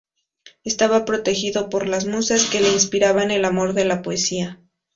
Estaba protegido por las Musas, que le inspiraban el amor de la poesía.